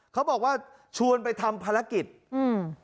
เขาบอกว่าชวนไปทำภารกิจอืม